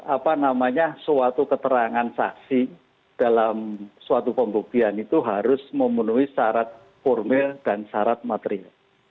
apa namanya suatu keterangan saksi dalam suatu pembuktian itu harus memenuhi syarat formil dan syarat material